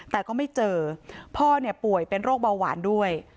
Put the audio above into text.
แต่ก็ไม่เจอพ่อเนี่ยป่วยเป็นโรคเบาหวานด้วย